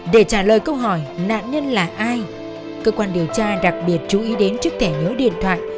để trả lời câu hỏi nạn nhân là ai cơ quan điều tra đặc biệt chú ý đến chiếc thẻ nhớ điện thoại